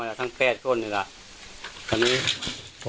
ให้ตายก็โหงไปก็ชมพูดเลยก็ได้ครับ